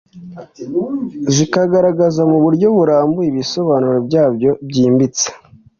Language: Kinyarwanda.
zikagaragaza mu buryo burambuye ibisobanuro byabyo byimbitse.